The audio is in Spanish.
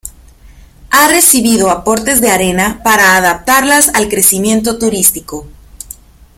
Ha recibido aportes de arena para adaptarla al crecimiento turístico.